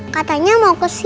katanya mau kesini